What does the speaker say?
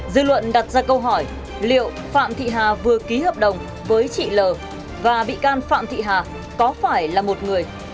dư luận đặt ra câu hỏi liệu phạm thị hà vừa ký hợp đồng với chị l và bị can phạm thị hà có phải là một người